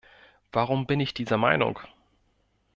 Warum bin ich dieser Meinung?